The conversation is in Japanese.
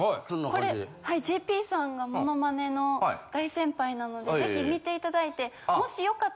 これＪＰさんがモノマネの大先輩なのでぜひ見て頂いて。